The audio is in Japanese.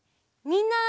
みんな！